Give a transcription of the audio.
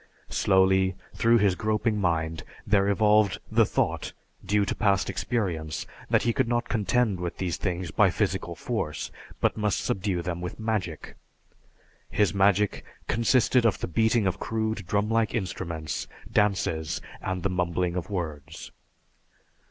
Slowly, through his groping mind there evolved the thought, due to past experience, that he could not contend with these things by physical force, but must subdue them with magic; his magic consisted of the beating of crude drum like instruments, dances, and the mumbling of words.